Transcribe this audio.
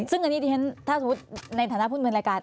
ซึ่งตรงนี้ที่เห็นครับในฐานะพูดเมืองรายการ